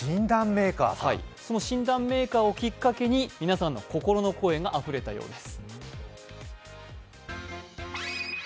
その診断メーカーをきっかけに、皆さんの心の声があふれたようです。